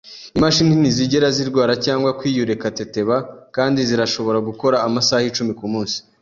Imashini ntizigera zirwara cyangwa kwiurekateteba kandi zirashobora gukora amasaha icumi kumunsi.